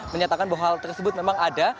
menyatakan bahwa hal tersebut memang ada